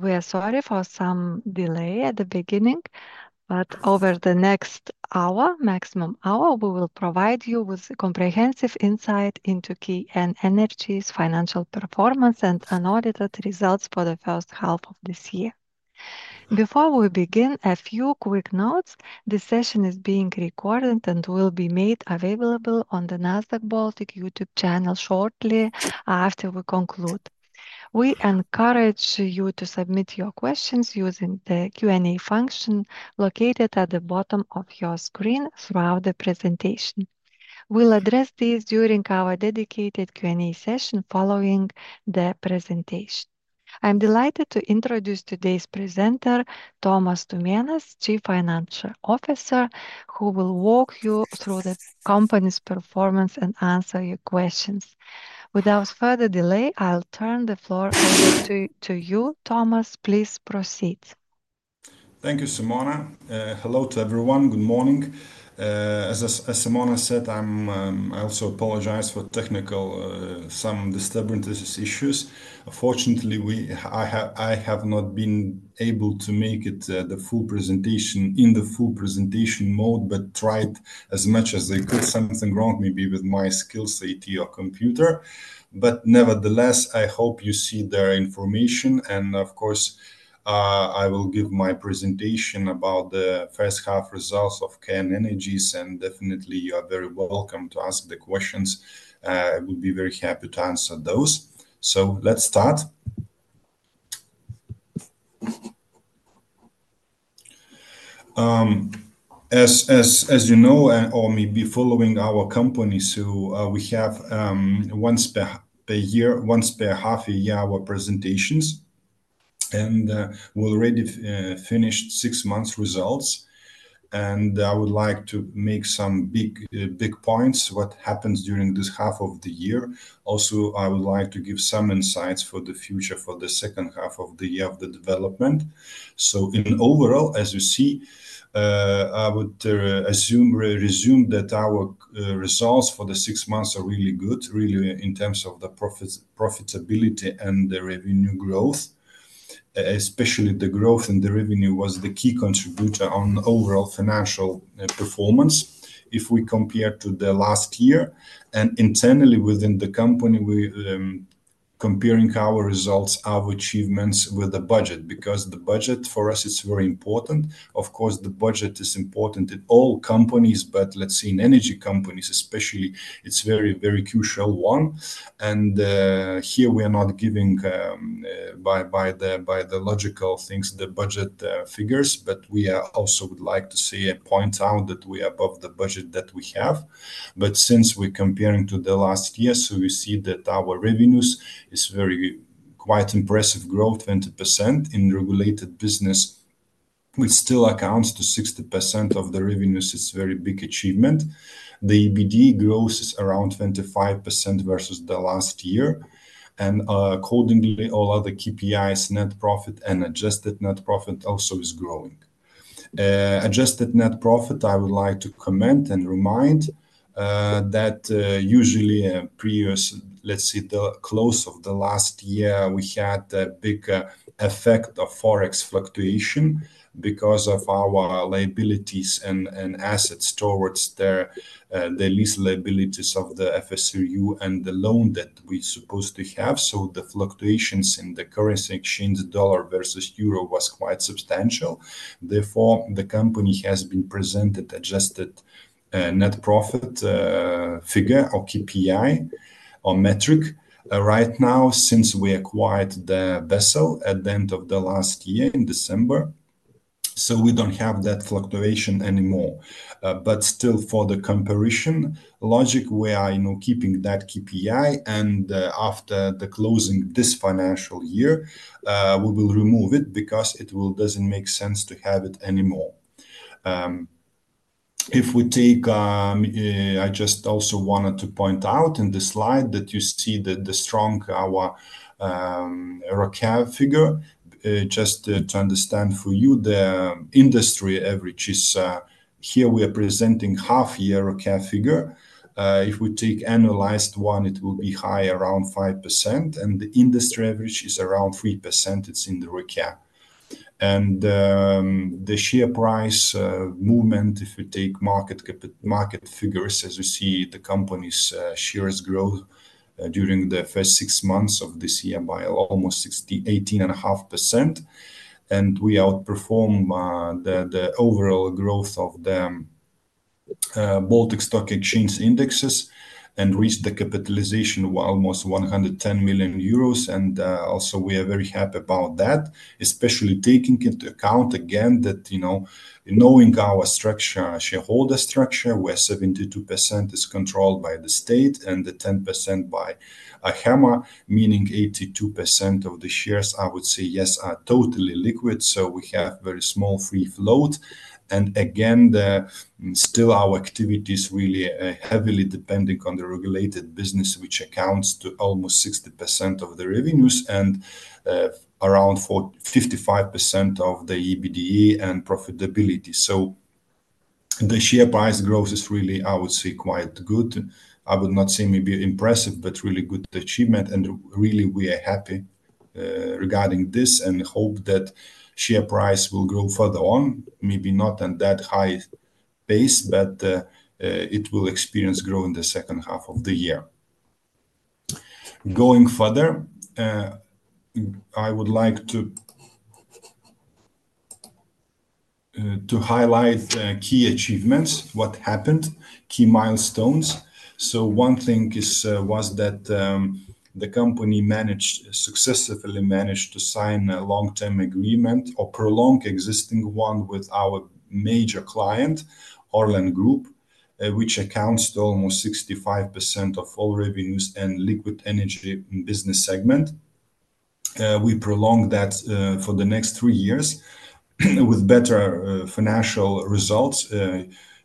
We're sorry for some delay at the beginning. Over the next hour, maximum hour, we will provide you with a comprehensive insight into KN Energies' Financial Performance and Unaudited Results for the First Half of this Year. Before we begin, a few quick notes. This session is being recorded and will be made available on the Nasdaq Baltic YouTube channel shortly after we conclude. We encourage you to submit your questions using the Q&A function located at the bottom of your screen throughout the presentation. We'll address these during our dedicated Q&A session following the presentation. I'm delighted to introduce today's presenter, Tomas Tumėnas, Chief Financial Officer, who will walk you through the company's performance and answer your questions. Without further delay, I'll turn the floor over to you, Tomas. Please proceed. Thank you, Simona. Hello to everyone. Good morning. As Simona said, I also apologize for some technical disturbances and issues. Unfortunately, I have not been able to make it the full presentation in the full presentation mode, but tried as much as I could, sometimes maybe with my skills at your computer. Nevertheless, I hope you see the information. Of course, I will give my presentation about the first half results of KN Energies, and definitely you are very welcome to ask the questions. I will be very happy to answer those. Let's start. As you know, or maybe following our company, we have once a year, once per half a year, our presentations. We already finished six months' results. I would like to make some big, big points what happens during this half of the year. I would like to give some insights for the future for the second half of the year of the development. In overall, as you see, I would assume, resume that our results for the six months are really good, really in terms of the profitability and the revenue growth. Especially the growth in the revenue was the key contributor on overall financial performance if we compare to the last year. Internally within the company, we are comparing our results, our achievements with the budget because the budget for us is very important. The budget is important in all companies, but let's say in energy companies especially, it's a very, very crucial one. Here we are not giving by the logical things, the budget figures, but we also would like to say and point out that we are above the budget that we have. Since we're comparing to the last year, we see that our revenues are quite impressive growth, 20% in regulated business, which still accounts to 60% of the revenues. It's a very big achievement. The EBITDA growth is around 25% versus the last year. Accordingly, all other KPIs, net profit and adjusted net profit also is growing. Adjusted net profit, I would like to comment and remind that usually previous, let's say, the close of the last year, we had a big effect of forex fluctuation because of our liabilities and assets towards the lease liabilities of the FSRU and the loan that we're supposed to have. The fluctuations in the currency exchange, dollar versus euro, was quite substantial. Therefore, the company has been presented adjusted net profit figure or KPI or metric right now since we acquired the vessel at the end of the last year in December. We don't have that fluctuation anymore. For the comparison logic, we are keeping that KPI, and after closing this financial year, we will remove it because it doesn't make sense to have it anymore. I just also wanted to point out in this slide that you see the strong our ROC figure. Just to understand for you, the industry average is here we are presenting half-year ROCA figure. If we take analyzed one, it will be high around 5%, and the industry average is around 3%. It's in the ROCA. The share price movement, if you take market figures, as you see, the company's shares grow during the first six months of this year by almost 18.5%. We outperform the overall growth of the Baltic stock exchange indexes and reached the capitalization of almost 110 million euros. We are very happy about that, especially taking into account again that, you know, knowing our structure, our shareholder structure, where 72% is controlled by the state and 10% by Hammer, meaning 82% of the shares, I would say, yes, are totally liquid. We have very small free float. Still our activity is really heavily dependent on the regulated business, which accounts to almost 60% of the revenues and around 55% of the EBITDA and profitability. The share price growth is really, I would say, quite good. I would not say maybe impressive, but really good achievement. We are happy regarding this and hope that share price will grow further on, maybe not at that high pace, but it will experience growth in the second half of the year. Going further, I would like to highlight key achievements, what happened, key milestones. One thing was that the company successfully managed to sign a long-term agreement or prolong existing one with our major client, Orlen Group, which accounts to almost 65% of all revenues and liquid energy in the business segment. We prolonged that for the next three years with better financial results,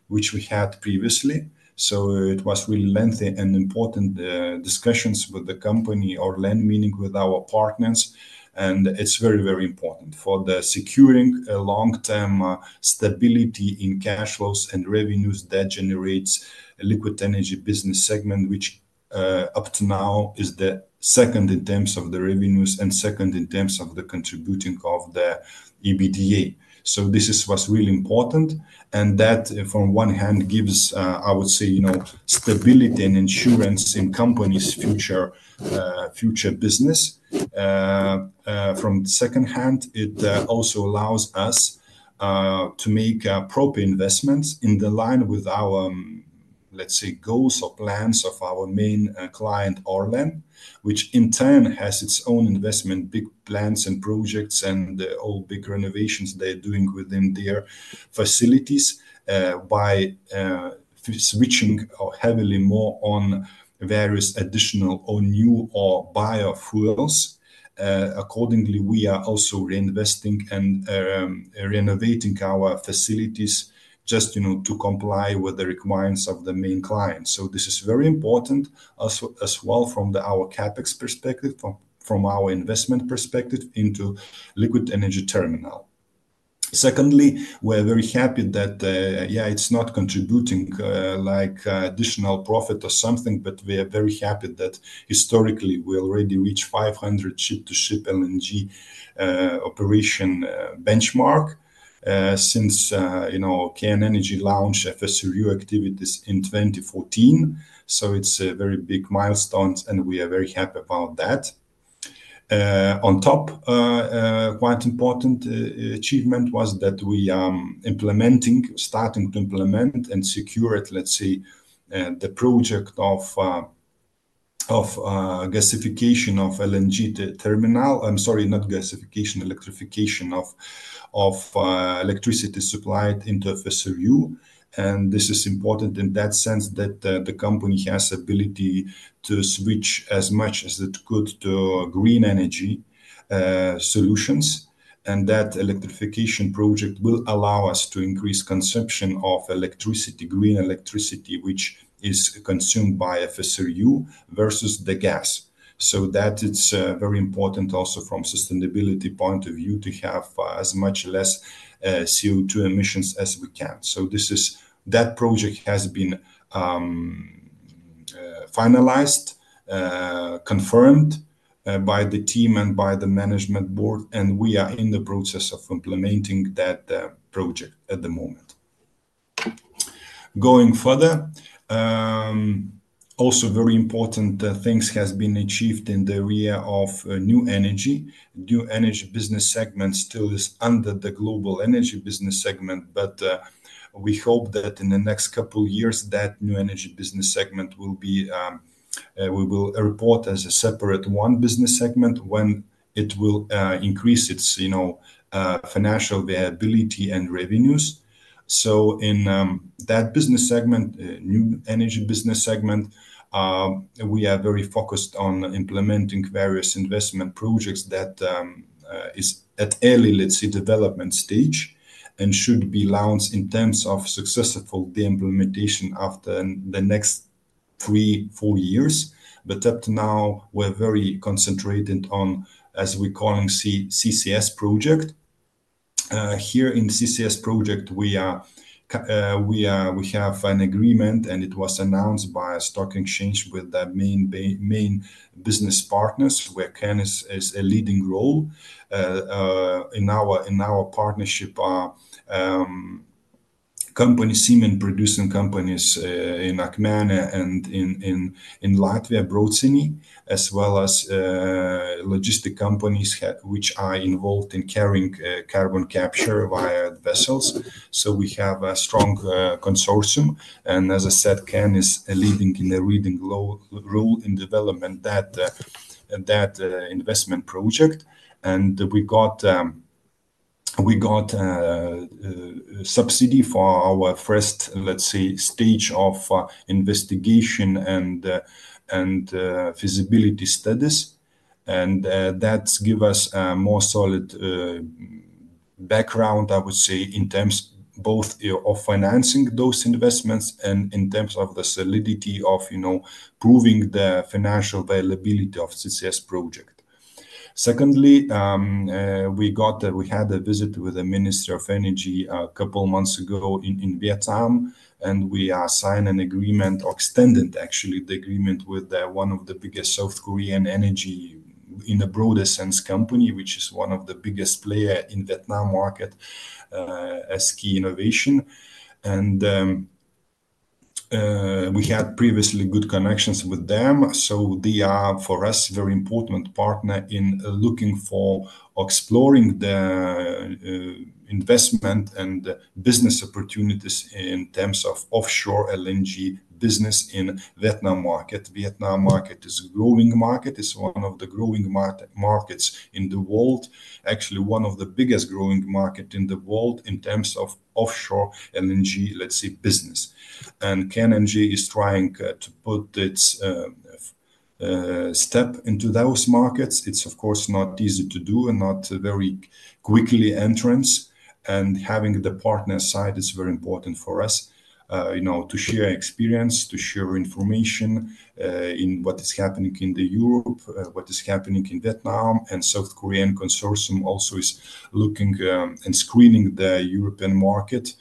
which we had previously. It was really lengthy and important discussions with the company, Orlen, meaning with our partners. It is very, very important for securing long-term stability in cash flows and revenues that generates liquid energy business segment, which up to now is the second in terms of the revenues and second in terms of the contributing of the EBITDA. This was really important. That, from one hand, gives, I would say, you know, stability and insurance in the company's future business. From the second hand, it also allows us to make proper investments in the line with our, let's say, goals or plans of our main client, Orlen, which in turn has its own investment, big plans and projects and the all big renovations they're doing within their facilities by switching heavily more on various additional or new or biofuels. Accordingly, we are also reinvesting and renovating our facilities just to comply with the requirements of the main client. This is very important as well from our CapEx perspective, from our investment perspective into liquid energy terminal. Secondly, we're very happy that, yeah, it's not contributing like additional profit or something, but we are very happy that historically we already reached 500 ship-to-ship LNG operation benchmark since KN Energies launched FSRU activities in 2014. It's a very big milestone, and we are very happy about that. On top, quite important achievement was that we are implementing, starting to implement and secure it, let's say, the project of gasification of LNG terminal. I'm sorry, not gasification, electrification of electricity supplied into FSRU. This is important in that sense that the company has the ability to switch as much as it could to green energy solutions. That electrification project will allow us to increase consumption of electricity, green electricity, which is consumed by FSRU versus the gas. It is very important also from a sustainability point of view to have as much less CO2 emissions as we can. This is that project has been finalized, confirmedd by the team and by the management board, and we are in the process of implementing that project at the moment. Going further, also very important things have been achieved in the area of new energy. New energy business segment still is under the global energy business segment, but we hope that in the next couple of years that new energy business segment will be we will report as a separate one business segment when it will increase its financial viability and revenues. In that business segment, new energy business segment, we are very focused on implementing various investment projects that are at early, let's say, development stage and should be launched in terms of successful implementation after the next three, four years. Up to now, we're very concentrated on, as we call it, CCS project. Here in CCS project, we have an agreement, and it was announced by a stock exchange with the main business partners, where KN has a leading role. In our partnership, company Siemens, producing companies in Akmenė and in Latvia, Brocēni, as well as logistic companies which are involved in carrying carbon capture via vessels. We have a strong consortium. As I said, KN Energies is leading in a leading role in development of that investment project. We got a subsidy for our first, let's say, stage of investigation and feasibility studies. That gives us a more solid background, I would say, in terms both of financing those investments and in terms of the solidity of proving the financial availability of CCS project. Secondly, we had a visit with the Ministry of Energy a couple of months ago in Vietnam, and we signed an agreement or extended, actually, the agreement with one of the biggest South Korean energy, in a broader sense, company, which is one of the biggest players in the Vietnam market as key innovation. We had previously good connections with them. They are, for us, a very important partner in looking for exploring the investment and business opportunities in terms of offshore LNG business in the Vietnam market. The Vietnam market is a growing market. It's one of the growing markets in the world, actually one of the biggest growing markets in the world in terms of offshore LNG, let's say, business. KN Energies is trying to put its step into those markets. It's, of course, not easy to do and not very quickly entrance. Having the partner side is very important for us, you know, to share experience, to share information in what is happening in Europe, what is happening in Vietnam. The South Korean consortium also is looking and screening the European market.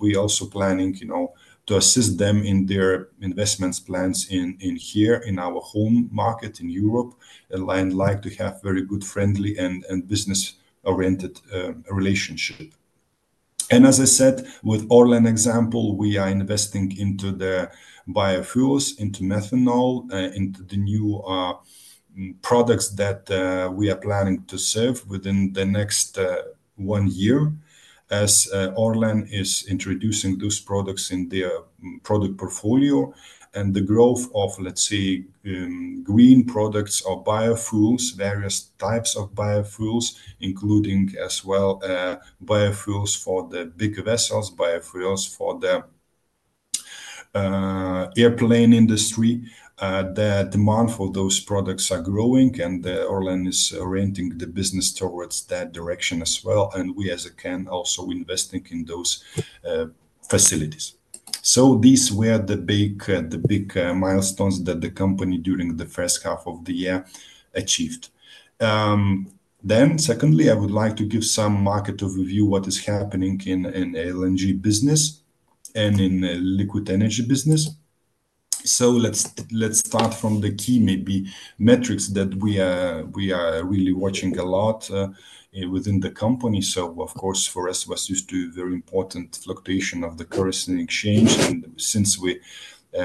We are also planning, you know, to assist them in their investment plans in here in our home market in Europe. I'd like to have a very good, friendly, and business-oriented relationship. As I said, with Orlen example, we are investing into the biofuels, into methanol, into the new products that we are planning to serve within the next one year as Orlen is introducing those products in their product portfolio. The growth of, let's say, green products or biofuels, various types of biofuels, including as well biofuels for the big vessels, biofuels for the airplane industry. The demand for those products is growing, and Orlen is orienting the business towards that direction as well. We, as KN, are also investing in those facilities. These were the big milestones that the company during the first half of the year achieved. I would like to give some market overview of what is happening in the LNG business and in the liquid energy business. Let's start from the key maybe metrics that we are really watching a lot within the company. Of course, for us, it was used to a very important fluctuation of the currency exchange. Since we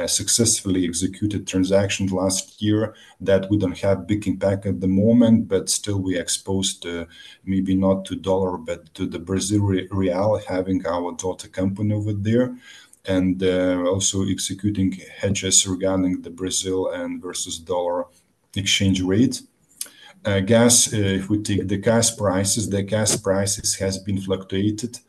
successfully executed transactions last year, that wouldn't have a big impact at the moment, but still we are exposed to maybe not to dollar, but to the Brazil real, having our daughter company over there, and also executing hedges regarding the Brazil and versus dollar exchange rates. If we take the gas prices, the gas prices have been fluctuated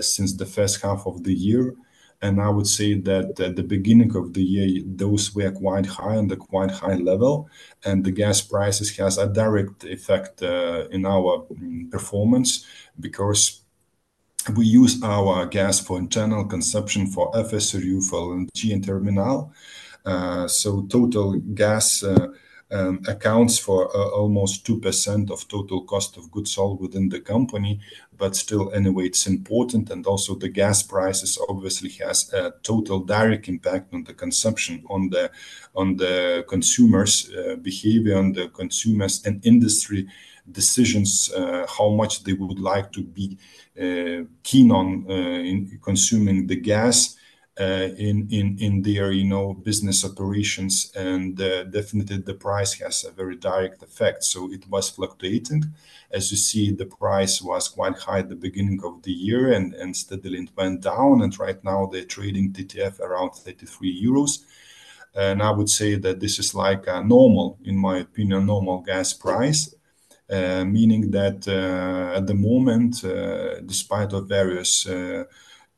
since the first half of the year. I would say that at the beginning of the year, those were quite high on the quite high level. The gas prices have a direct effect in our performance because we use our gas for internal consumption for FSRU, for LNG, and terminal. Total gas accounts for almost 2% of total cost of goods sold within the company, but still anyway, it's important. Also, the gas prices obviously have a total direct impact on the consumption on the consumers' behavior and the consumers' and industry decisions, how much they would like to be keen on consuming the gas in their business operations. Definitely, the price has a very direct effect. It was fluctuating. As you see, the price was quite high at the beginning of the year, and steadily it went down. Right now, they're trading TTF around 33 euros. I would say that this is like a normal, in my opinion, a normal gas price, meaning that at the moment, despite various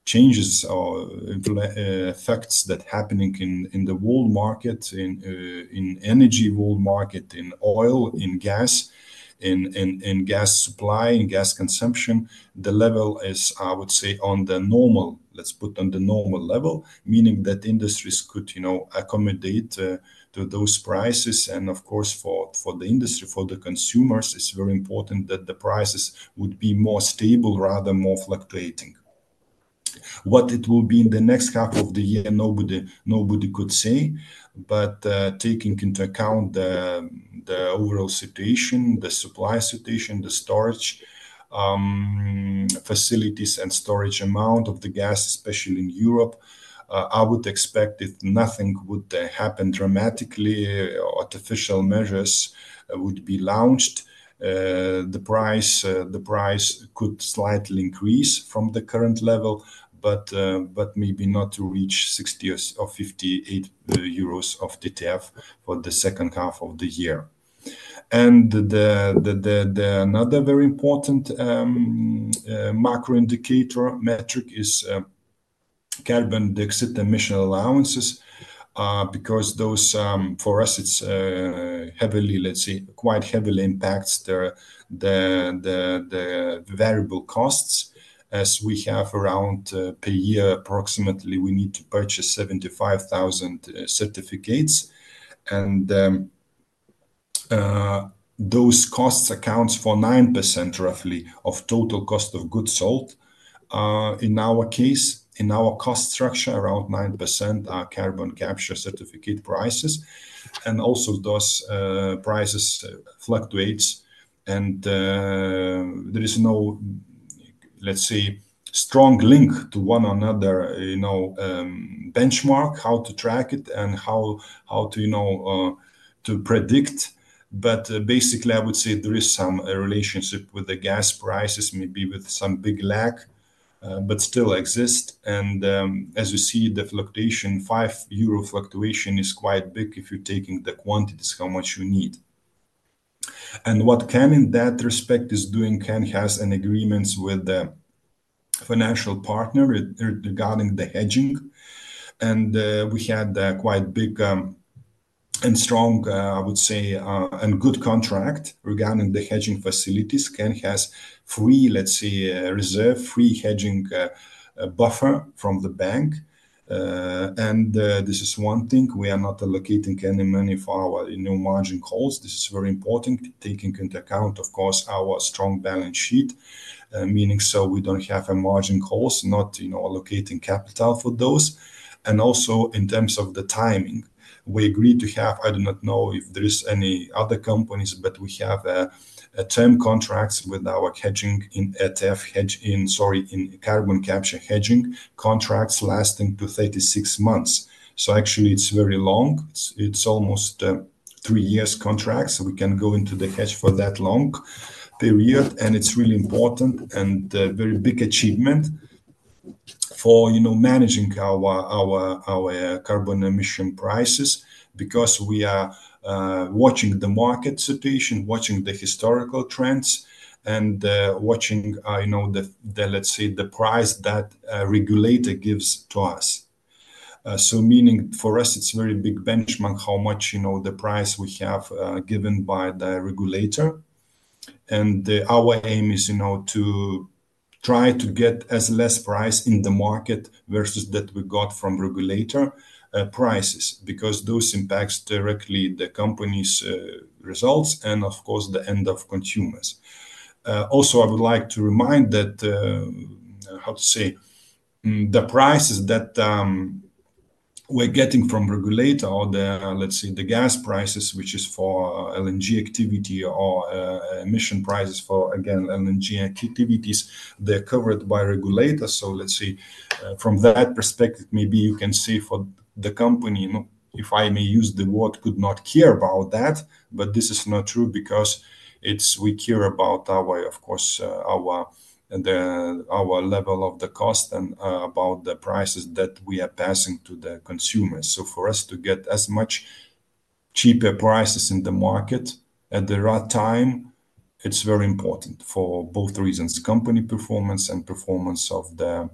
changes or effects that are happening in the world market, in the energy world market, in oil, in gas, in gas supply, in gas consumption, the level is, I would say, on the normal, let's put on the normal level, meaning that industries could accommodate to those prices. Of course, for the industry, for the consumers, it's very important that the prices would be more stable rather than more fluctuating. What it will be in the next half of the year, nobody could say. Taking into account the overall situation, the supply situation, the storage facilities and storage amount of the gas, especially in Europe, I would expect that nothing would happen dramatically. Artificial measures would be launched. The price could slightly increase from the current level, but maybe not to reach 60 or 58 euros of TTF for the second half of the year. Another very important macro indicator metric is carbon dioxide emission allowances. Because those, for us, it's heavily, let's say, quite heavily impacts the variable costs. As we have around per year, approximately, we need to purchase 75,000 certificates. Those costs account for 9% roughly of total cost of goods sold. In our case, in our cost structure, around 9% are carbon capture certificate prices. Also, those prices fluctuate. There is no, let's say, strong link to one another, you know, benchmark, how to track it, and how to predict. Basically, I would say there is some relationship with the gas prices, maybe with some big lag, but still exist. As you see, the fluctuation, 5 euro fluctuation is quite big if you're taking the quantities for how much you need. What KN, in that respect is doing, KN has an agreement with the financial partner regarding the hedging. We had quite big and strong, I would say, and good contract regarding the hedging facilities. KN has free, let's say, reserve, free hedging buffer from the bank. This is one thing. We are not allocating any money for our margin calls. This is very important, taking into account, of course, our strong balance sheet, meaning so we don't have margin calls, not allocating capital for those. Also, in terms of the timing, we agreed to have, I do not know if there are any other companies, but we have a term contract with our hedging in ETF hedge in, sorry, in carbon capture hedging contracts lasting to 36 months. Actually, it's very long. It's almost three years contracts. We can go into the hedge for that long period. It's really important and a very big achievement for managing our carbon emission prices because we are watching the market situation, watching the historical trends, and watching, you know, the, let's say, the price that a regulator gives to us. Meaning for us, it's a very big benchmark how much, you know, the price we have given by the regulator. Our aim is, you know, to try to get as less price in the market versus that we got from regulator prices because those impact directly the company's results and, of course, the end of consumers. Also, I would like to remind that, how to say, the prices that we're getting from regulator or the, let's say, the gas prices, which is for LNG activity or emission prices for, again, LNG activities, they're covered by regulator. Let's say from that perspective, maybe you can say for the company, if I may use the word, could not care about that. This is not true because we care about our, of course, our level of the cost and about the prices that we are passing to the consumers. For us to get as much cheaper prices in the market at the right time, it's very important for both reasons, company performance and performance of the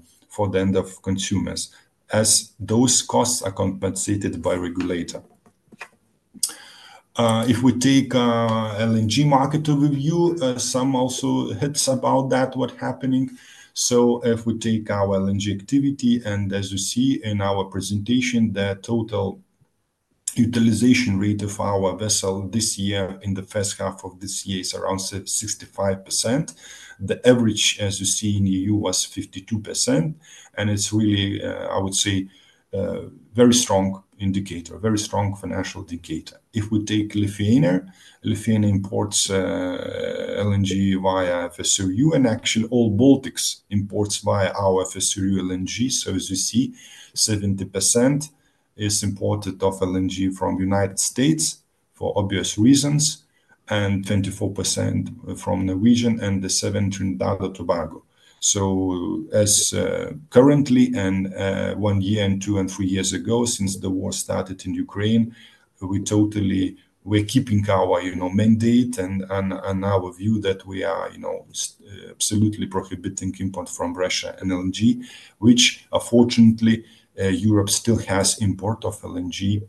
end of consumers as those costs are compensated by regulator. If we take LNG market overview, some also hits about that, what's happening. If we take our LNG activity, and as you see in our presentation, the total utilization rate of our vessel this year in the first half of this year is around 65%. The average, as you see in the EU, was 52%. It's really, I would say, a very strong indicator, a very strong financial indicator. If we take Lithuania, Lithuania imports LNG via FSRU, and actually all Baltics imports via our FSRU LNG. As you see, 70% is imported of LNG from the United States for obvious reasons, and 24% from Norwegian and the 7% Trinidad and Tobago. As currently, and one year and two and three years ago since the war started in Ukraine, we totally were keeping our mandate and our view that we are absolutely prohibiting import from Russia and LNG, which unfortunately, Europe still has import of LNG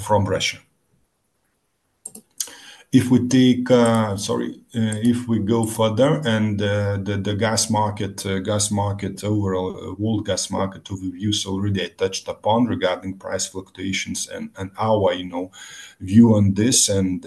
from Russia. If we go further and the gas market, gas market overall, world gas market overviews already I touched upon regarding price fluctuations and our view on this and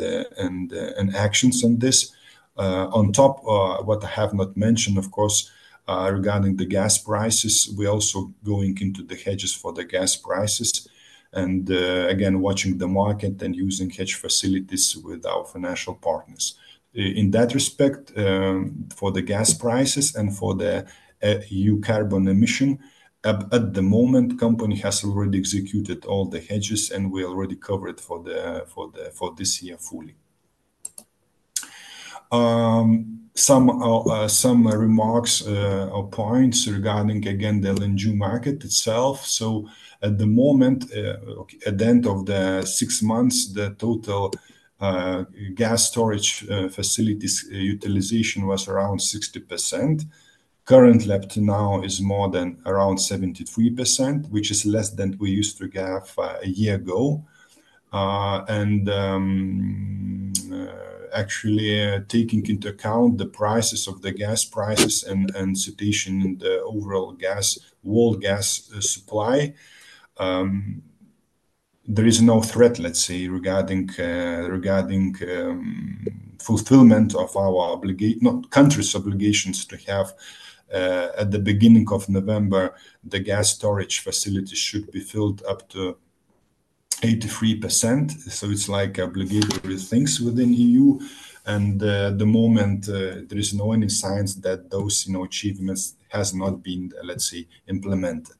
actions on this. On top of what I have not mentioned, of course, regarding the gas prices, we're also going into the hedges for the gas prices. Again, watching the market and using hedge facilities with our financial partners. In that respect, for the gas prices and for the EU carbon emission, at the moment, the company has already executed all the hedges and we already covered for this year fully. Some remarks or points regarding, again, the LNG market itself. At the moment, at the end of the six months, the total gas storage facilities utilization was around 60%. Currently, up to now, it's more than around 73%, which is less than we used to have a year ago. Actually, taking into account the prices of the gas prices and situation in the overall gas world gas supply, there is no threat, let's say, regarding fulfillment of our country's obligations to have at the beginning of November, the gas storage facilities should be filled up to 83%. It's like obligatory things within EU. At the moment, there is no any signs that those achievements have not been, let's say, implemented.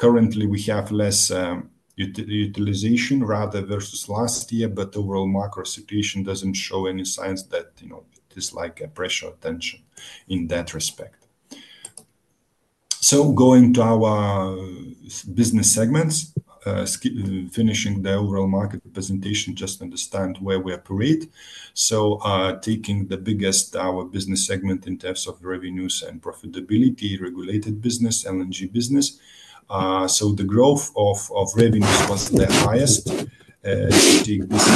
Currently, we have less utilization rather versus last year, but the overall macro situation doesn't show any signs that it is like a pressure tension in that respect. Going to our business segments, finishing the overall market presentation, just to understand where we operate. Taking the biggest our business segment in terms of revenues and profitability, regulated business, LNG business. The growth of revenues was the highest. If you take this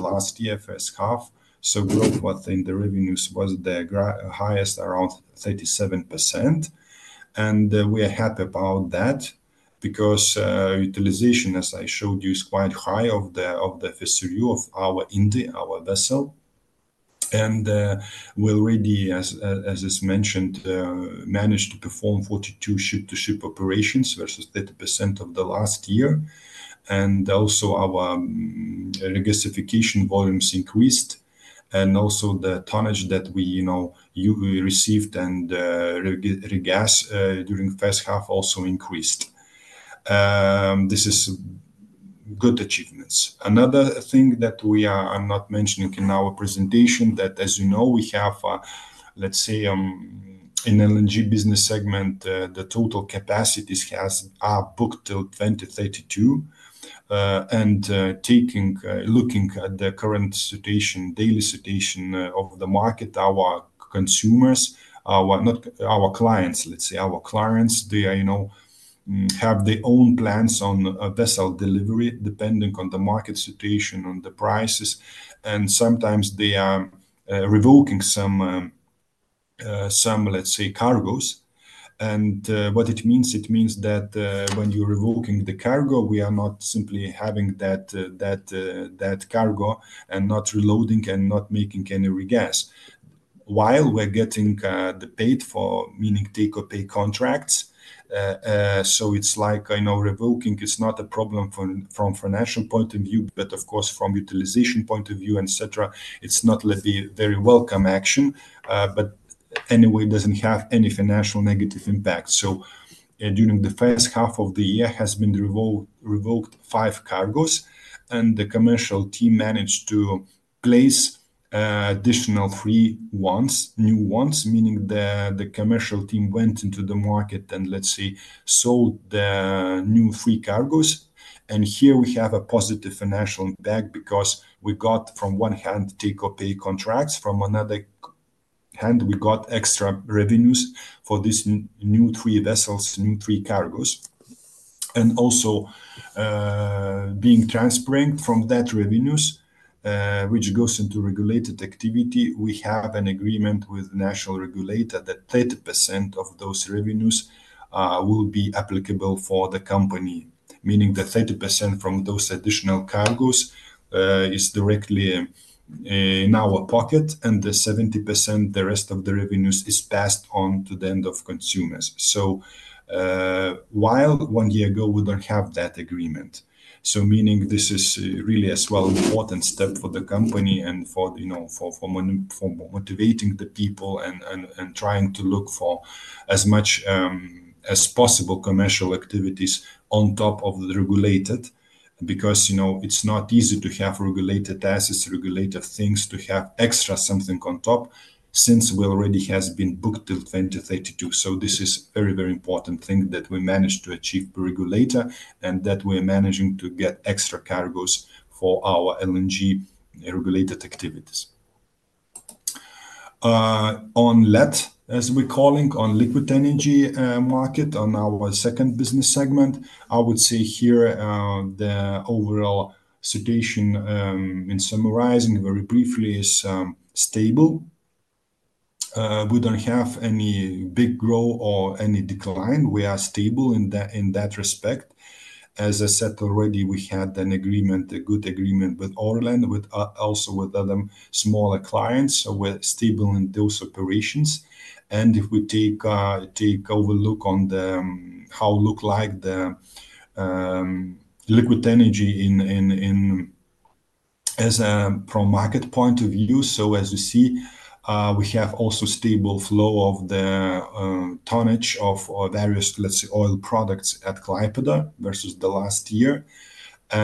last year, first half, growth was in the revenues was the highest, around 37%. We are happy about that because utilization, as I showed you, is quite high of the FSRU of our indie, our vessel. We already, as I mentioned, managed to perform 42 ship-to-ship operations versus 30% of the last year. Also, our regasification volumes increased. Also, the tonnage that we received and regas during the first half also increased. This is good achievements. Another thing that we are not mentioning in our presentation that, as you know, we have, let's say, an LNG business segment, the total capacities are booked till 2032. Looking at the current situation, daily situation of the market, our consumers, our clients, let's say, our clients, they have their own plans on vessel delivery depending on the market situation, on the prices. Sometimes they are revoking some, let's say, cargos. What it means, it means that when you're revoking the cargo, we are not simply having that cargo and not reloading and not making any regas. While we're getting paid for it, meaning take-or-pay contracts. It's like revoking is not a problem from a financial point of view, of course, from a utilization point of view, etc. It's not a very welcome action. It doesn't have any financial negative impact. During the first half of the year, it has been revoked five cargos. The commercial team managed to place additional three ones, new ones, meaning the commercial team went into the market and, let's say, sold the new three cargos. Here we have a positive financial impact because we got from one hand take-or-pay contracts. From another hand, we got extra revenues for these new three vessels, new three cargos. Also, being transparent from that revenues, which goes into regulated activity, we have an agreement with the national regulator that 30% of those revenues will be applicable for the company, meaning the 30% from those additional cargos is directly in our pocket and the 70%, the rest of the revenues, is passed on to the end consumers. One year ago, we didn't have that agreement. Meaning this is really as well an important step for the company and for motivating the people and trying to look for as much as possible commercial activities on top of the regulated because it's not easy to have regulated assets, regulated things, to have extra something on top since we already have been booked till 2032. This is a very, very important thing that we managed to achieve per regulator and that we're managing to get extra cargos for our LNG regulated activities. On LET, as we're calling on liquid energy market on our second business segment, I would say here the overall situation in summarizing very briefly is stable. We don't have any big growth or any decline. We are stable in that respect. As I said already, we had an agreement, a good agreement with Orlen, also with other smaller clients. We're stable in those operations. If we take a look on how it looks like the liquid energy as a pro-market point of view, as you see, we have also stable flow of the tonnage of various, let's say, oil products at Klaipeda versus the last year.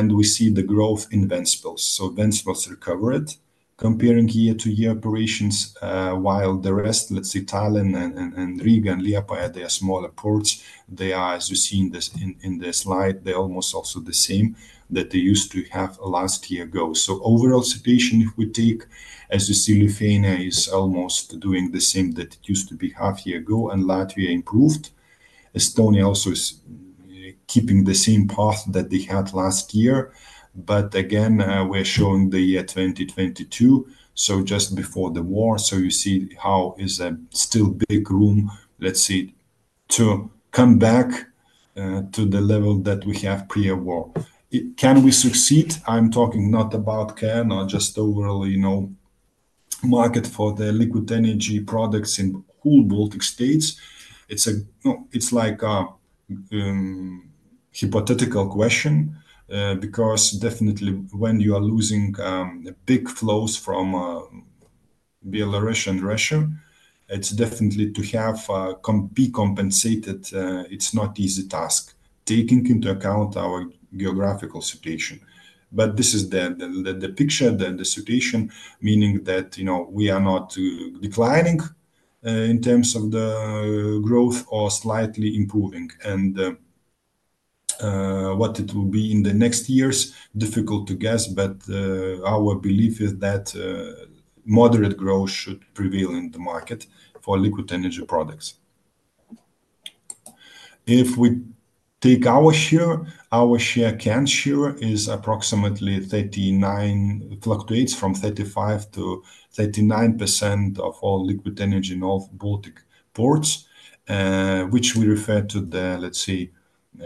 We see the growth in the vessels. Vessels are covered comparing year-to-year operations. The rest, let's say Tallinn and Riga and Liepaja, they are smaller ports. They are, as you see in the slide, they're almost also the same that they used to have a last year ago. Overall situation, if we take, as you see, Lithuania is almost doing the same that it used to be half a year ago, and Latvia improved. Estonia also is keeping the same path that they had last year. We're showing the year 2022, just before the war. You see how there's still a big room, let's say, to come back to the level that we had pre-war. Can we succeed? I'm talking not about KN, just overall, you know, market for the liquid energy products in all Baltic states. It's like a hypothetical question because definitely when you are losing the big flows from Belarus and Russia, it's definitely to have a compensated, it's not an easy task, taking into account our geographical situation. This is the picture, the situation, meaning that we are not declining in terms of the growth or slightly improving. What it will be in the next years, difficult to guess, but our belief is that moderate growth should prevail in the market for liquid energy products. If we take our share, our share, KN share is approximately 39%, fluctuates from 35%-39% of all liquid energy in all Baltic ports, which we refer to the, let's say,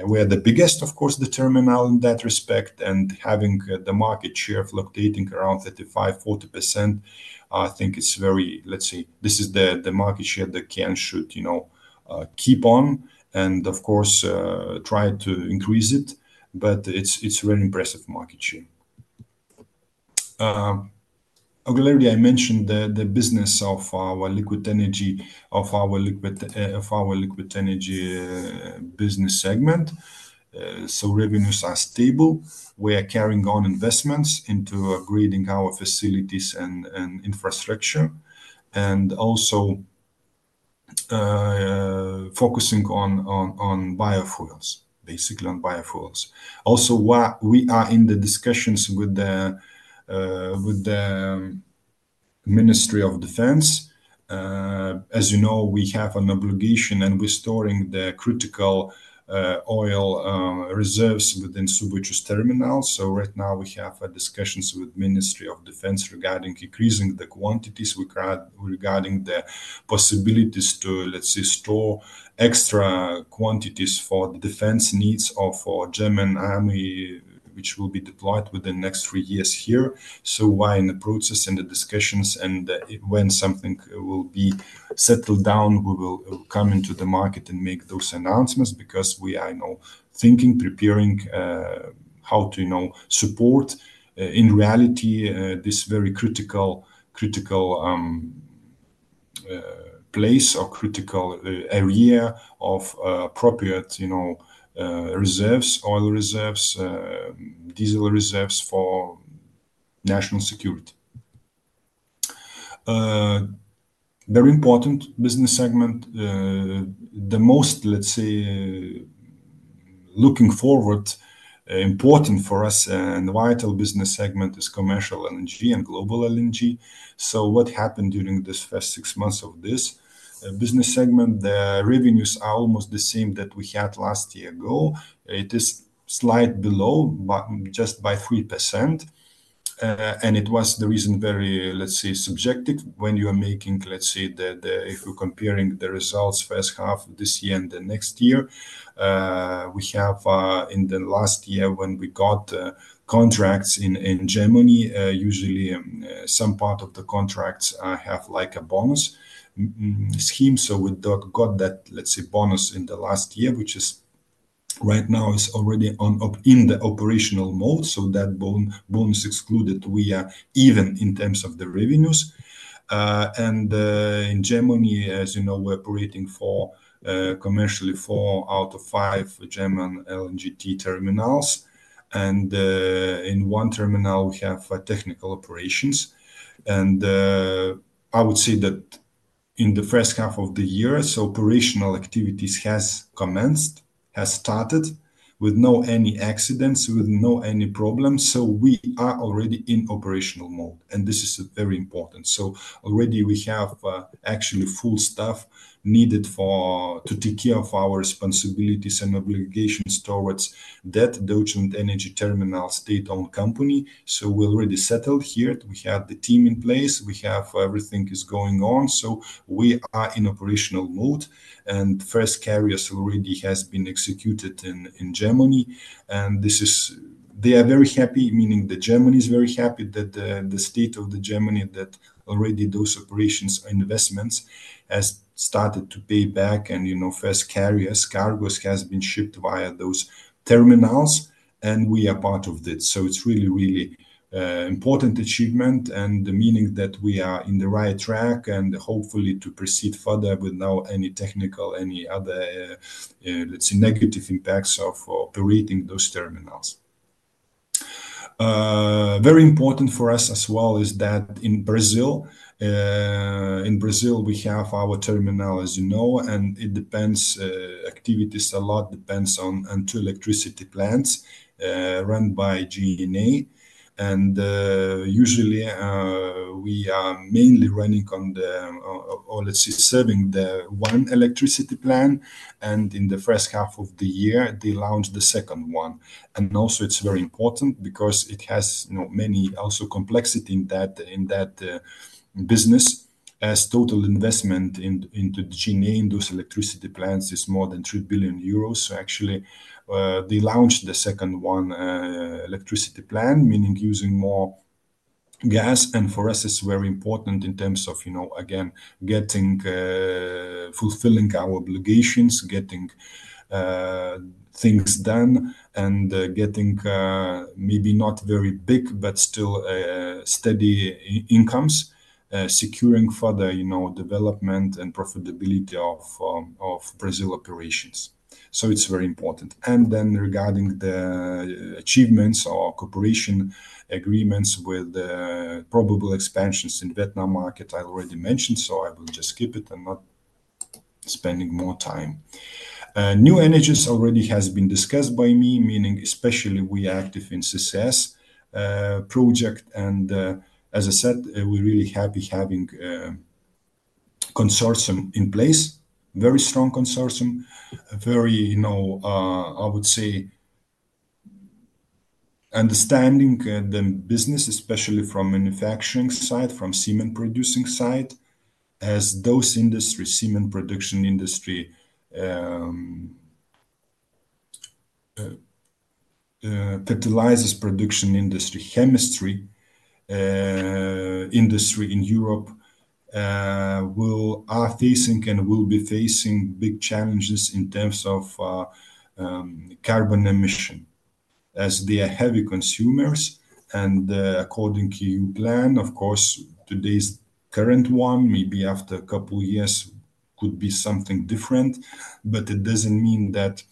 we are the biggest, of course, the terminal in that respect. Having the market share fluctuating around 35%, 40%, I think it's very, let's say, this is the market share that KN should keep on and, of course, try to increase it. It's a very impressive market share. Earlier, I mentioned the business of our liquid energy business segment. Revenues are stable. We are carrying on investments into upgrading our facilities and infrastructure and also focusing on biofuels, basically on biofuels. We are in the discussions with the Ministry of Defense. As you know, we have an obligation and we're storing the critical oil reserves within Subacius terminal. Right now, we have discussions with the Ministry of Defense regarding increasing the quantities regarding the possibilities to, let's say, store extra quantities for the defense needs of the German army, which will be deployed within the next three years here. We're in the process and the discussions, and when something will be settled down, we will come into the market and make those announcements because we are thinking, preparing how to support, in reality, this very critical place or critical area of appropriate oil reserves, diesel reserves for national security. Very important business segment. The most, let's say, looking forward, important for us, and vital business segment is commercial LNG and global LNG. What happened during this first six months of this business segment? The revenues are almost the same that we had last year. It is slightly below, but just by 3%. It was the reason very, let's say, subjective when you are making, let's say, if we're comparing the results first half of this year and the next year. We have in the last year when we got contracts in Germany, usually some part of the contracts have like a bonus scheme. We got that, let's say, bonus in the last year, which is right now is already in the operational mode. That bonus excluded we are even in terms of the revenues. In Germany, as you know, we're operating commercially four out of five German LNGT terminals. In one terminal, we have technical operations. I would say that in the first half of the year, operational activities have commenced, have started with no any accidents, with no any problems. We are already in operational mode. This is very important. Already we have actually full staff needed to take care of our responsibilities and obligations towards that Deutschland Energy Terminal state-owned company. We're already settled here. We have the team in place. We have everything going on. We are in operational mode. First carriers already have been executed in Germany. They are very happy, meaning Germany is very happy that the state of Germany that already those operations and investments have started to pay back. You know first carriers, cargoes have been shipped via those terminals. We are part of that. It's really, really an important achievement and the meaning that we are in the right track and hopefully to proceed further with no any technical, any other, let's say, negative impacts of operating those terminals. Very important for us as well is that in Brazil, in Brazil, we have our terminal, as you know, and it depends activities a lot depend on two electricity plants run by GNA. Usually, we are mainly running on, or let's say, serving the one electricity plant. In the first half of the year, they launched the second one. It's very important because it has many complexities in that business. Total investment into GNA in those electricity plants is more than 3 billion euros. They launched the second one electricity plant, meaning using more gas. For us, it's very important in terms of, you know, again, fulfilling our obligations, getting things done, and getting maybe not very big, but still steady incomes, securing further development and profitability of Brazil operations. It's very important. Regarding the achievements or cooperation agreements with the probable expansions in the Vietnam market, I already mentioned. I will just skip it. I'm not spending more time. New energies already have been discussed by me, meaning especially we are active in carbon capture and storage (CCS) project. As I said, we're really happy having a consortium in place, very strong consortium, very, you know, I would say, understanding the business, especially from the manufacturing side, from the Siemens producing side, as those industries, Siemens production industry, fertilizers production industry, chemistry industry in Europe are facing and will be facing big challenges in terms of carbon emission as they are heavy consumers. According to your plan, of course, today's current one maybe after a couple of years could be something different, but it doesn't mean that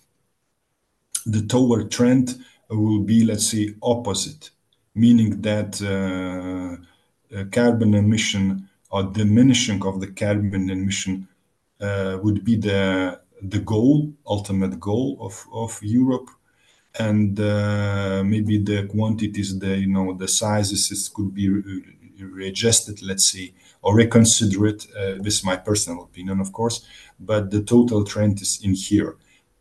the tower trend will be, let's say, opposite, meaning that carbon emission or diminishing of the carbon emission would be the goal, ultimate goal of Europe. Maybe the quantities, the sizes could be readjusted, let's say, or reconsidered. This is my personal opinion, of course. The total trend is in here.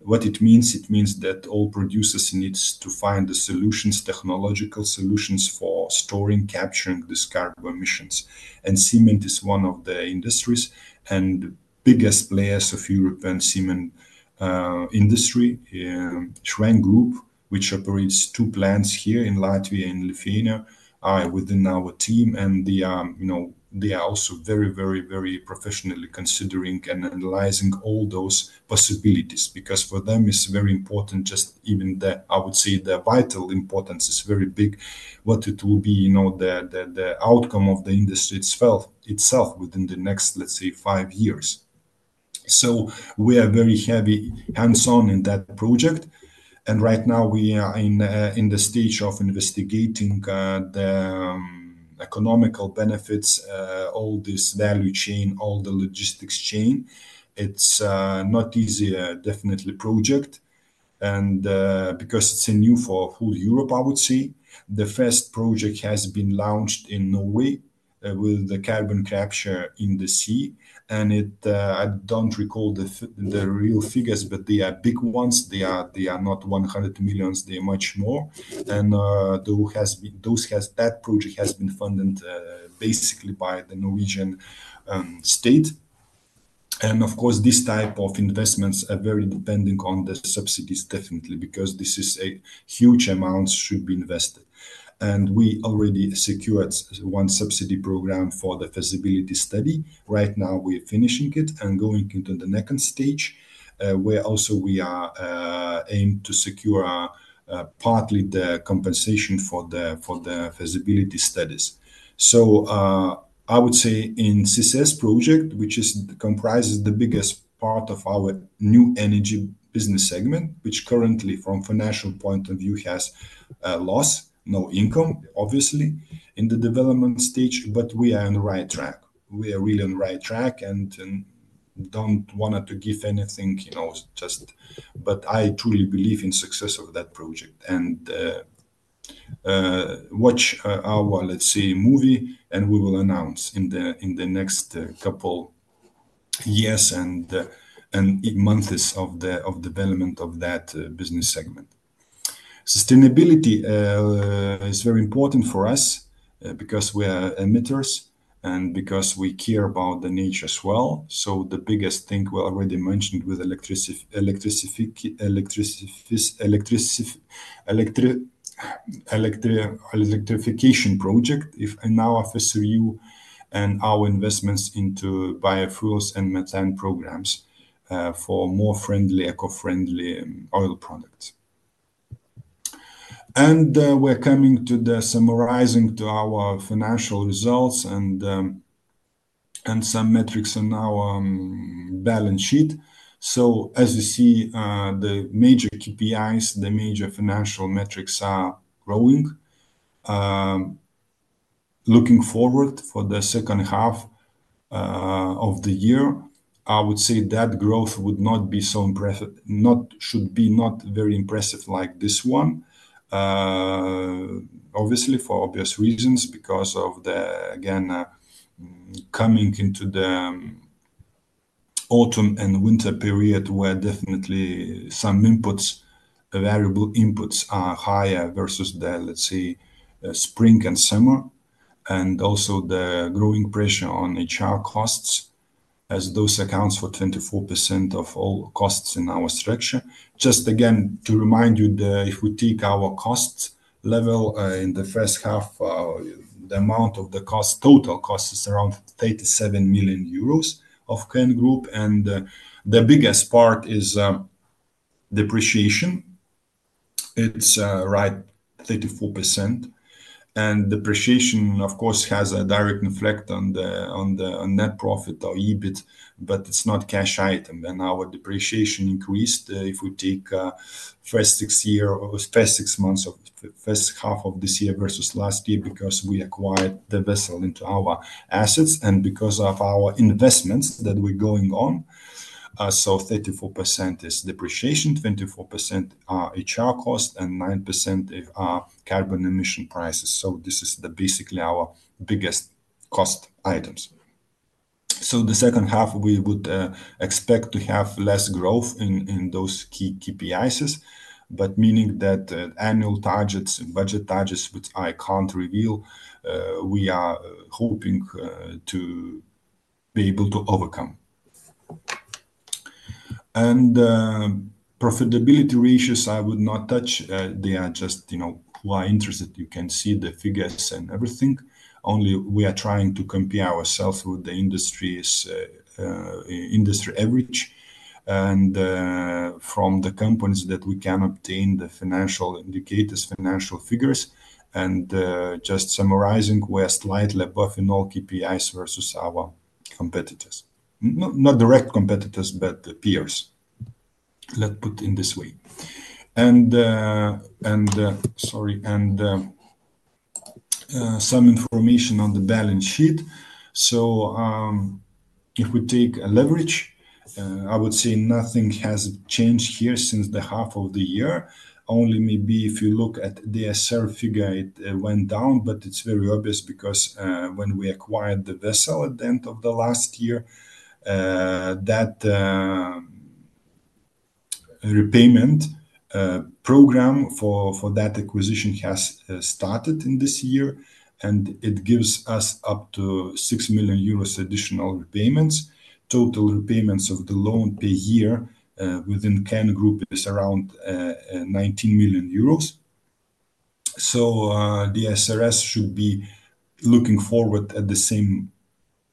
What it means, it means that all producers need to find the solutions, technological solutions for storing, capturing, discarding emissions. Siemens is one of the industries and the biggest players of Europe and Siemens industry. Schwenk Group, which operates two plants here in Latvia and Lithuania, are within our team. They are also very, very, very professionally considering and analyzing all those possibilities because for them it's very important. Just even that, I would say, the vital importance is very big. What it will be, you know, the outcome of the industry itself within the next, let's say, five years. We are very heavy hands-on in that project. Right now, we are in the stage of investigating the economical benefits, all this value chain, all the logistics chain. It's not easy, definitely project. Because it's new for full Europe, I would say, the first project has been launched in Norway with the carbon capture in the sea. I don't recall the real figures, but they are big ones. They are not 100 million. They are much more. Those have that project been funded basically by the Norwegian state. Of course, this type of investments are very dependent on the subsidies, definitely, because this is a huge amount that should be invested. We already secured one subsidy program for the feasibility study. Right now, we're finishing it and going into the next stage, where also we are aiming to secure partly the compensation for the feasibility studies. I would say in CCS project, which comprises the biggest part of our new energy business segment, which currently from a financial point of view has lost no income, obviously, in the development stage, but we are on the right track. We are really on the right track and don't want to give anything, you know, just. I truly believe in the success of that project. Watch our, let's say, movie, and we will announce in the next couple of years and months of the development of that business segment. Sustainability is very important for us because we are emitters and because we care about the nature as well. The biggest thing we already mentioned with the electrification project in our FSRU and our investments into biofuels and methane programs for more friendly, eco-friendly oil products. We're coming to the summarizing to our financial results and some metrics on our balance sheet. As you see, the major KPIs, the major financial metrics are growing. Looking forward for the second half of the year, I would say that growth would not be so impressive, should be not very impressive like this one. Obviously, for obvious reasons, because of the, again, coming into the autumn and winter period where definitely some variable inputs are higher versus the, let's say, spring and summer. Also the growing pressure on HR costs, as those account for 24% of all costs in our structure. Just again to remind you, if we take our costs level in the first half, the amount of the cost, total cost is around 37 million euros of KN Group. The biggest part is depreciation. It's right at 34%. Depreciation, of course, has a direct effect on the net profit or EBIT, but it's not a cash item. Our depreciation increased if we take the first six months of the first half of this year versus last year because we acquired the vessel into our assets and because of our investments that were going on. 34% is depreciation, 24% are HR costs, and 9% are carbon emission prices. This is basically our biggest cost items. The second half, we would expect to have less growth in those key KPIs, but meaning that annual targets, budget targets, which I can't reveal, we are hoping to be able to overcome. Profitability ratios, I would not touch. They are just, you know, why interested? You can see the figures and everything. Only we are trying to compare ourselves with the industry average. From the companies that we can obtain the financial indicators, financial figures, and just summarizing, we're slightly above in all KPIs versus our competitors. Not direct competitors, but peers. Let's put it in this way. Sorry, and some information on the balance sheet. If we take leverage, I would say nothing has changed here since the half of the year. Only maybe if you look at the survey figure, it went down, but it's very obvious because when we acquired the vessel at the end of last year, that repayment program for that acquisition has started in this year. It gives us up to 6 million euros additional repayments. Total repayments of the loan per year within KN Energies Group is around 19 million euros. The SRS should be looking forward at the same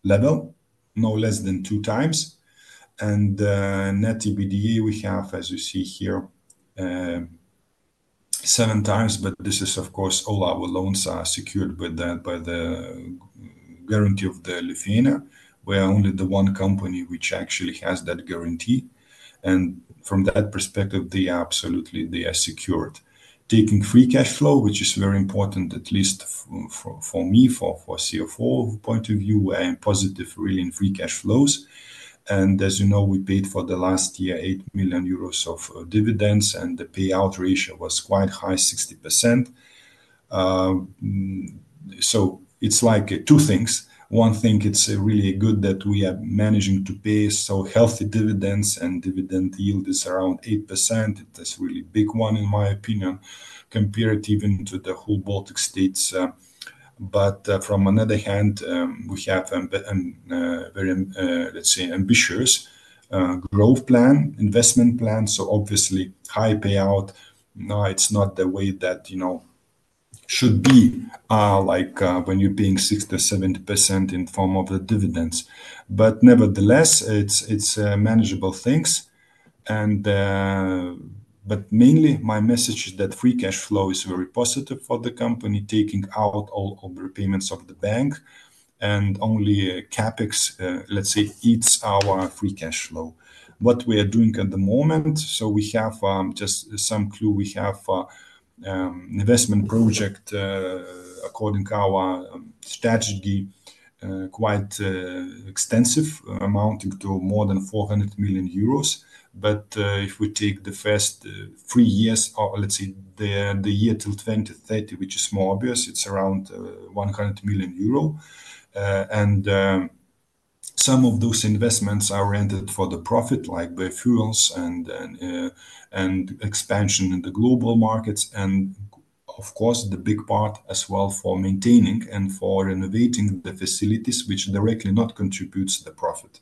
level, no less than 2x. Net EBITDA, we have, as you see here, 7x, but this is, of course, all our loans are secured by the guarantee of Lithuania. We are only the one company which actually has that guarantee. From that perspective, they are absolutely, they are secured. Taking free cash flow, which is very important, at least for me, for CFO point of view, where I am positive, really, in free cash flows. As you know, we paid for last year 8 million euros of dividends, and the payout ratio was quite high, 60%. It's like two things. One thing, it's really good that we are managing to pay so healthy dividends, and dividend yield is around 8%. That's a really big one, in my opinion, compared even to the whole Baltic states. From another hand, we have a very, let's say, ambitious growth plan, investment plan. Obviously, high payout. No, it's not the way that, you know, should be like when you're paying 60%-70% in form of the dividends. Nevertheless, it's manageable things. Mainly, my message is that free cash flow is very positive for the company, taking out all the repayments of the bank. Only CapEx, let's say, feeds our free cash flow. What we are doing at the moment, so we have just some clue. We have an investment project, according to our strategy, quite extensive, amounting to more than 400 million euros. If we take the first three years, or let's say the year till 2030, which is more obvious, it's around 100 million euro. Some of those investments are rented for the profit, like biofuels and expansion in the global markets. Of course, the big part as well for maintaining and for renovating the facilities, which directly not contributes to the profit.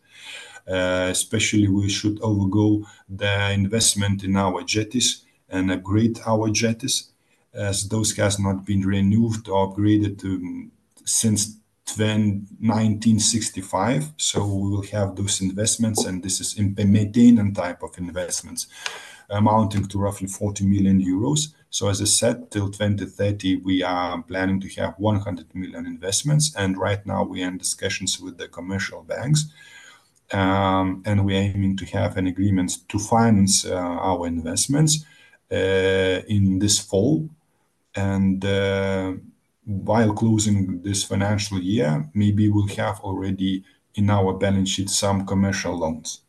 Especially, we should overlook the investment in our jetties and upgrade our jetties, as those have not been renewed or upgraded since 1965. We will have those investments, and this is a permitting type of investments amounting to roughly 40 million euros. As I said, till 2030, we are planning to have 100 million investments. Right now, we are in discussions with the commercial banks. We are aiming to have an agreement to finance our investments in this fall. While closing this financial year, maybe we'll have already in our balance sheet some commercial loans.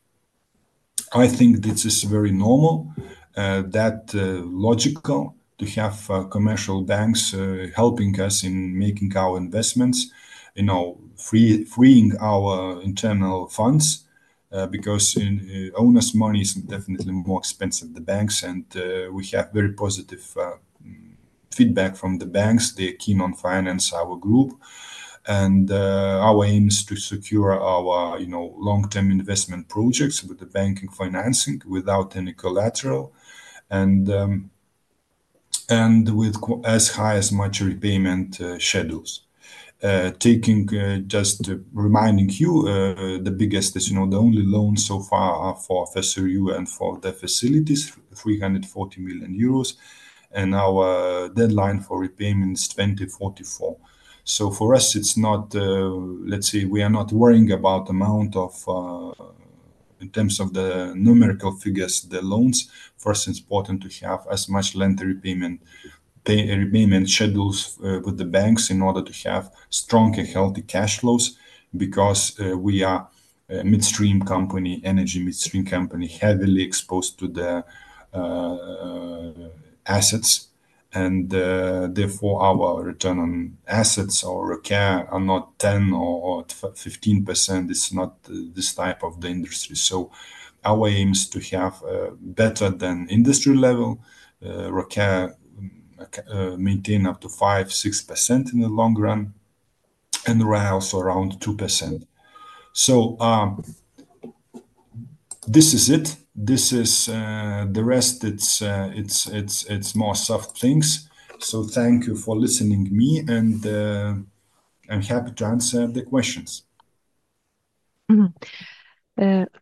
I think this is very normal. That's logical to have commercial banks helping us in making our investments, you know, freeing our internal funds because owner's money is definitely more expensive than the banks. We have very positive feedback from the banks. They're keen on financing our group. Our aim is to secure our long-term investment projects with the banking financing without any collateral and with as high as much repayment schedules. Taking just reminding you, the biggest, as you know, the only loan so far for FSRU and for the facilities, 340 million euros. Our deadline for repayment is 2044. For us, it's not, let's say, we are not worrying about the amount of in terms of the numerical figures, the loans. For us, it's important to have as much lender repayment schedules with the banks in order to have strong and healthy cash flows because we are a midstream company, energy midstream company, heavily exposed to the assets. Therefore, our return on assets or ROC are not 10% or 15%. It's not this type of industry. Our aim is to have better than industry level. ROC maintain up to 5%, 6% in the long run and rise to around 2%. This is it. The rest is more soft things. Thank you for listening to me, and I'm happy to answer the questions.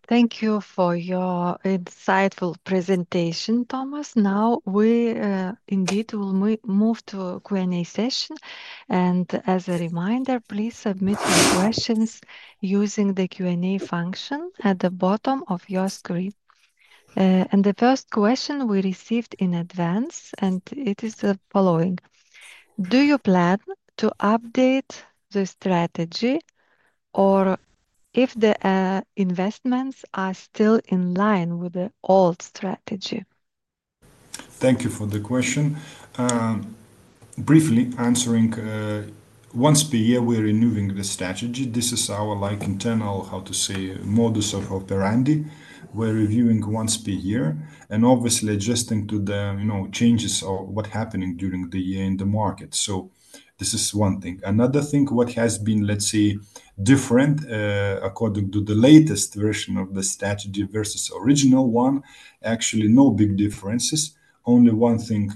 Thank you for your insightful presentation, Tomas. We indeed will move to a Q&A session. As a reminder, please submit your questions using the Q&A function at the bottom of your screen. The first question we received in advance is the following: do you plan to update the strategy or if the investments are still in line with the old strategy? Thank you for the question. Briefly answering, once per year, we're renewing the strategy. This is our internal, how to say, modus operandi. We're reviewing once per year and obviously adjusting to the changes or what's happening during the year in the market. This is one thing. Another thing, what has been, let's say, different according to the latest version of the strategy versus the original one, actually no big differences. Only one thing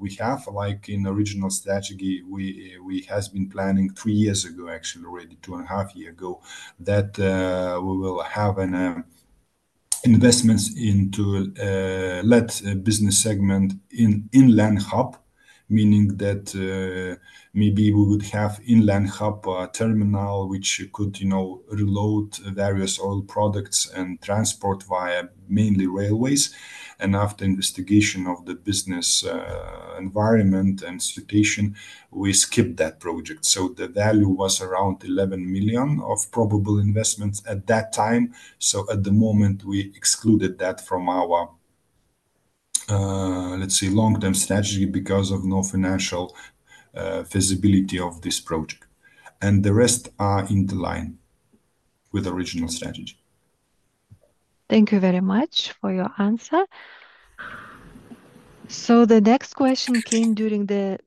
we have, like in the original strategy, we have been planning three years ago, actually already two and a half years ago, that we will have investments into the LET business segment in inland hub, meaning that maybe we would have an inland hub terminal which could reload various oil products and transport via mainly railways. After investigation of the business environment and situation, we skipped that project. The value was around 11 million of probable investments at that time. At the moment, we excluded that from our, let's say, long-term strategy because of no financial feasibility of this project. The rest are in the line with the original strategy. Thank you very much for your answer. The next question came during the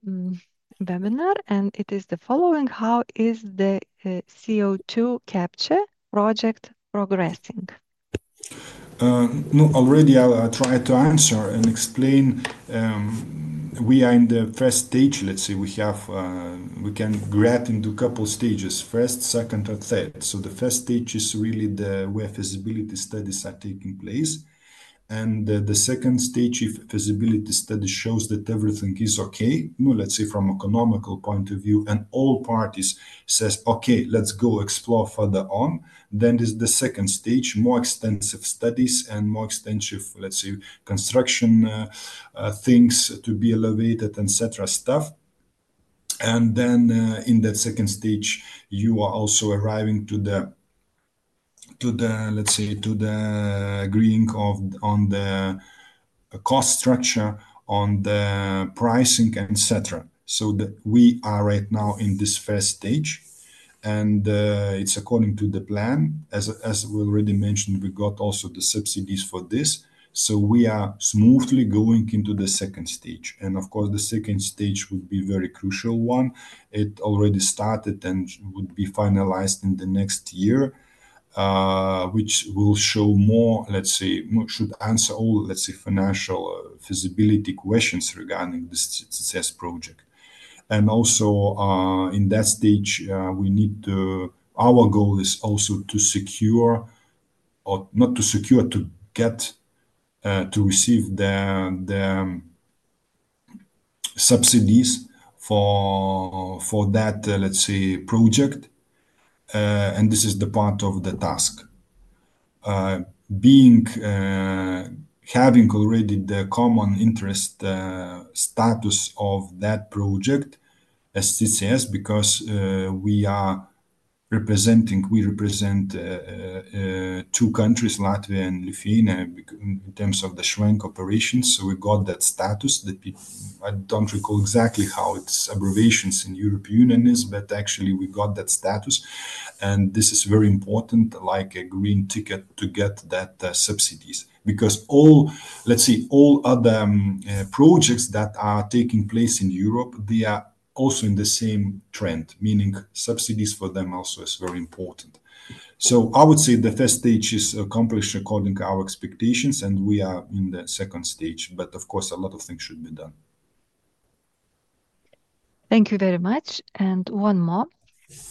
webinar, and it is the following: how is the CO2 capture project progressing? No, already I tried to answer and explain. We are in the first stage, let's say, we can grab into a couple of stages, first, second, or third. The first stage is really where feasibility studies are taking place. The second stage, if feasibility study shows that everything is okay, let's say from an economical point of view, and all parties say, "Okay, let's go explore further on," then there's the second stage, more extensive studies and more extensive, let's say, construction things to be elevated, etc., stuff. In that second stage, you are also arriving to the, let's say, to the agreeing on the cost structure, on the pricing, etc. We are right now in this first stage, and it's according to the plan. As we already mentioned, we got also the subsidies for this. We are smoothly going into the second stage. Of course, the second stage would be a very crucial one. It already started and would be finalized in the next year, which will show more, let's say, should answer all, let's say, financial feasibility questions regarding the CCS project. Also in that stage, our goal is also to secure, or not to secure, to get, to receive the subsidies for that, let's say, project. This is the part of the task. Having already the common interest status of that project as CCS because we represent two countries, Latvia and Lithuania, in terms of the Schwenk operations. We got that status. I don't recall exactly how its abbreviation in the European Union is, but actually, we got that status. This is very important, like a green ticket to get that subsidies because all, let's say, all other projects that are taking place in Europe, they are also in the same trend, meaning subsidies for them also are very important. I would say the first stage is accomplished according to our expectations, and we are in the second stage. Of course, a lot of things should be done. Thank you very much. One more.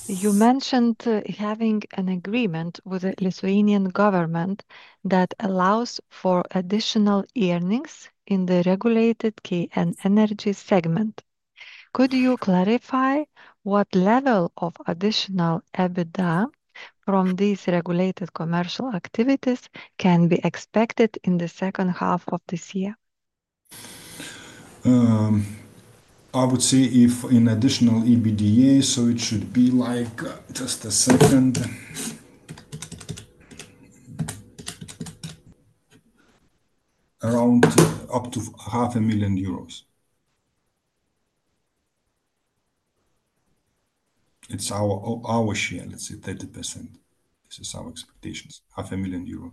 You mentioned having an agreement with the Lithuanian government that allows for additional earnings in the regulated KN Energies segment. Could you clarify what level of additional EBITDA from these regulated commercial activities can be expected in the second half of this year? I would say if in additional EBITDA, it should be, just a second, around up to EUR 500,000. It's our share, let's say, 30%. This is our expectations, 500,000 euro.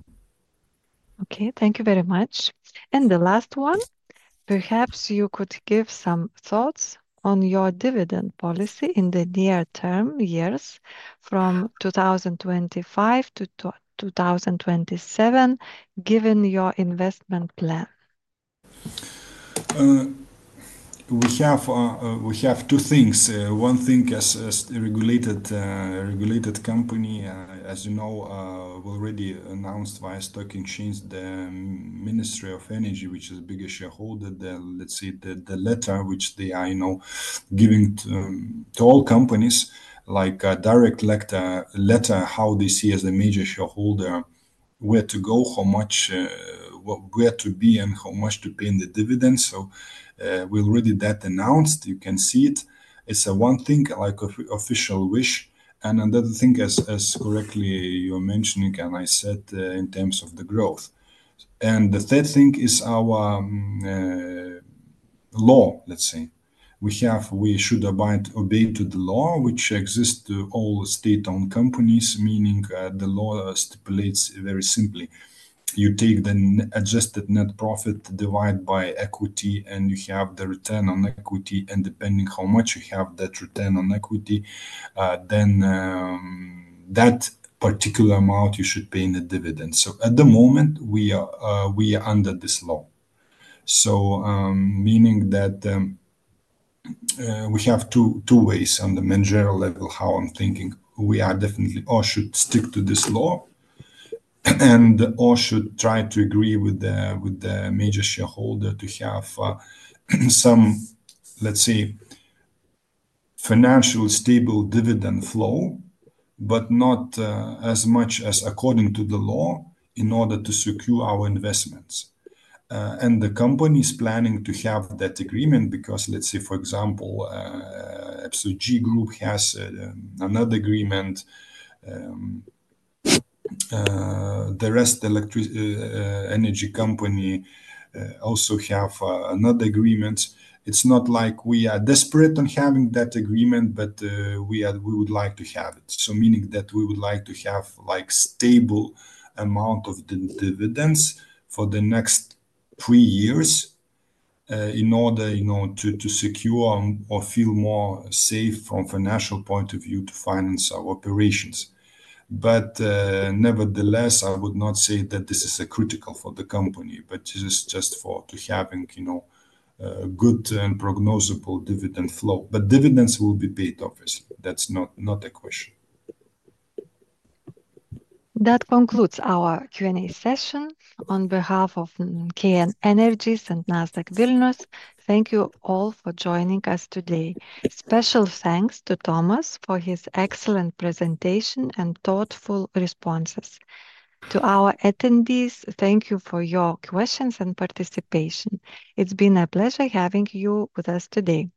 Okay. Thank you very much. The last one, perhaps you could give some thoughts on your dividend policy in the near-term years from 2025 to 2027, given your investment plan. We have two things. One thing as a regulated company, as you know, we already announced via stock exchange the Ministry of Energy, which is the biggest shareholder, the letter which they are giving to all companies, like a direct letter, how this year as a major shareholder, where to go, how much, where to be, and how much to pay in the dividends. We already announced that you can see it. It's one thing, like an official wish. Another thing, as correctly you're mentioning and I said, in terms of the growth. The third thing is our law, let's say. We should obey to the law, which exists to all state-owned companies, meaning the law stipulates very simply. You take the adjusted net profit divided by equity, and you have the return on equity. Depending on how much you have that return on equity, then that particular amount you should pay in the dividend. At the moment, we are under this law, meaning that we have two ways on the managerial level how I'm thinking. We are definitely or should stick to this law and or should try to agree with the major shareholder to have some, let's say, financially stable dividend flow, but not as much as according to the law in order to secure our investments. The company is planning to have that agreement because, let's say, for example, FCG Group has another agreement. The rest of the electric energy company also has another agreement. It's not like we are desperate on having that agreement, but we would like to have it. We would like to have a stable amount of dividends for the next three years in order to secure or feel more safe from a financial point of view to finance our operations. Nevertheless, I would not say that this is critical for the company, it is just for having a good and prognosable dividend flow. Dividends will be paid obviously. That's not the question. That concludes our Q&A session. On behalf of KN Energies and Nasdaq Vilnius, thank you all for joining us today. Special thanks to Tomas for his excellent presentation and thoughtful responses. To our attendees, thank you for your questions and participation. It's been a pleasure having you with us today.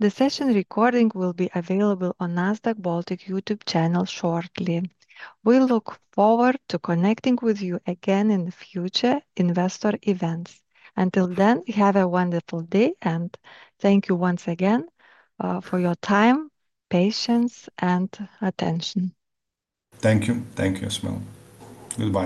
The session recording will be available on the Nasdaq Baltic YouTube channel shortly. We look forward to connecting with you again in future investor events. Until then, have a wonderful day, and thank you once again for your time, patience, and attention. Thank you. Thank you as well. Goodbye.